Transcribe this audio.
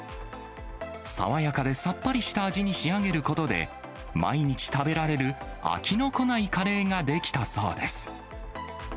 爽やかでさっぱりした味に仕上げることで、毎日食べられる飽きのこないカレーが出来たそうです。